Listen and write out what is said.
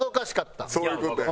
そういう事や。